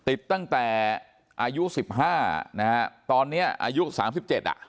ติดตั้งแต่อายุสิบห้านะฮะตอนเนี้ยอายุสามสิบเจ็ดอ่ะ